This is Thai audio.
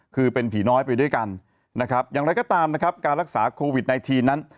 คือเป็นผีน้อยไปด้วยกันอย่างไรก็ตามการรักษาโควิด๑๙นั้น